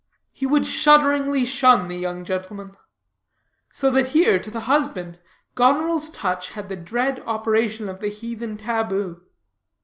He would shudderingly shun the young gentleman. So that here, to the husband, Goneril's touch had the dread operation of the heathen taboo.